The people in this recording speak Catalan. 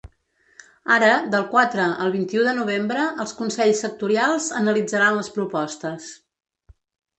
Ara, del quatre al vint-i-u de novembre, els consells sectorials analitzaran les propostes.